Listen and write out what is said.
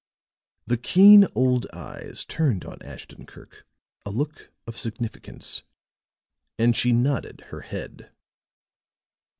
The keen old eyes turned on Ashton Kirk a look of significance, and she nodded her head.